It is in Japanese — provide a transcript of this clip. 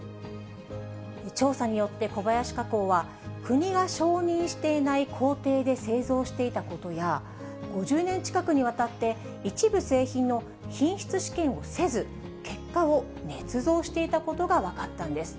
調査によって、小林化工は、国が承認していない工程で製造していたことや、５０年近くにわたって、一部製品の品質試験をせず、結果をねつ造していたことが分かったんです。